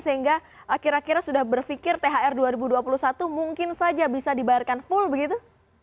sehingga kira kira sudah berpikir thr dua ribu dua puluh satu mungkin saja bisa dibayarkan full begitu